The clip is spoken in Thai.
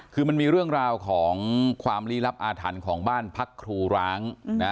คือมันมีเรื่องราวของความลี้ลับอาถรรพ์ของบ้านพักครูร้างนะ